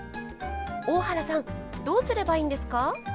大原さんどうすればいいんですか？